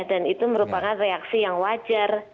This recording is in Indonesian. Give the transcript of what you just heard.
dan itu merupakan reaksi yang wajar